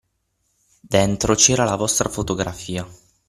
Dentro c'era la vostra fotografia.